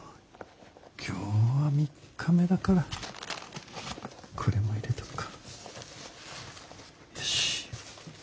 今日は３日目だからこれも入れとくか。